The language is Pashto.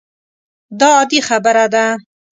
دا عادي خبره ده.